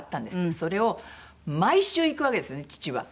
それを毎週行くわけですね父は。